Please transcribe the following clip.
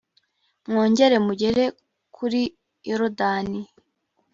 mwongere mugere kuri yorudani